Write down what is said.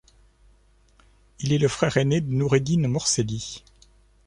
Il est le frère ainé de Noureddine Morceli.